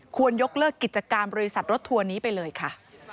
ยกเลิกกิจการบริษัทรถทัวร์นี้ไปเลยค่ะ